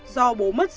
do bố mất sớm